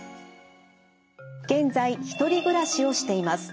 「現在ひとり暮らしをしています。